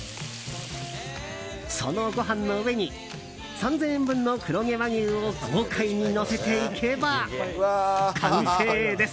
そのご飯の上に３０００円分の黒毛和牛を豪快にのせていけば、完成です。